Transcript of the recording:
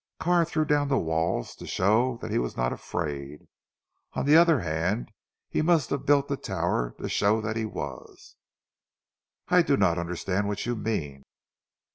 Carr threw down the walls, to show that he was not afraid. On the other hand he must have built that tower to show that he was." "I do not understand what you mean?"